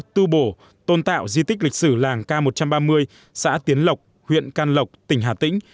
tu bổ tôn tạo di tích lịch sử làng k một trăm ba mươi xã tiến lộc huyện can lộc tỉnh hà tĩnh